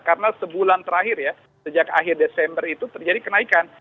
karena sebulan terakhir ya sejak akhir desember itu terjadi kenaikan